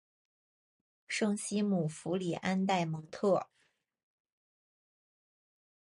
圣西姆福里安代蒙特。